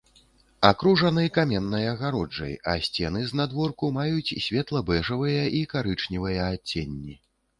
Акружаны каменнай агароджай, а сцены знадворку маюць светла-бэжавыя і карычневыя адценні.